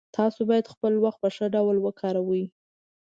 تاسو باید خپل وخت په ښه ډول وکاروئ